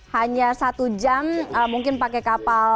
hanya satu jam mungkin pakai kapal